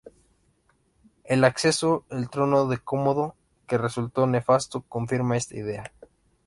El acceso al trono de Cómodo, que resultó nefasto, confirma esta idea.